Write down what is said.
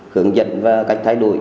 khưởng dẫn và cách thay đổi